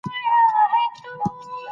افغانستان په سرحدونه غني دی.